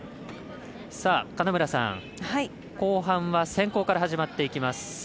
金村さん、後半は先攻から始まっていきます。